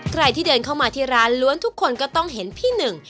ใครที่เดินเข้ามาที่ร้านล้วนทุกคนก็ต้องเห็นพี่หนึ่ง